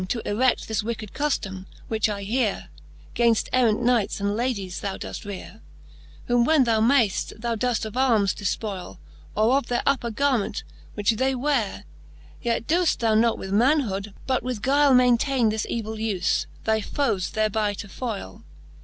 To ereft this wicked cuftome, which, I heare, Gainft errant Knights and Ladies thou doft reare ; Whom when thou mayft, thou doft of arms defpoile, Or of their upper garment, which they weare : Yet doeft thou not with manhood, but with guile, Maintaine this evill ufe, thy foes thereby to foile